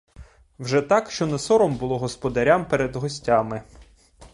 Вже так, що не сором було господарям перед гостями!